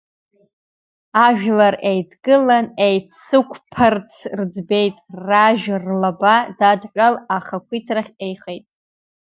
Ажәлар еидгылан еицықәԥарц рыӡбеит, ражә рлаба дадҳәал ахақәиҭрахь еихеит.